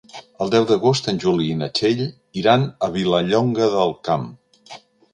El deu d'agost en Juli i na Txell iran a Vilallonga del Camp.